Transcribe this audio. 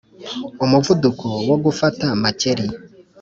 umuvuduko wo gufata makeri